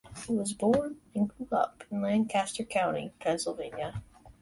He was born and grew up in Lancaster County, Pennsylvania.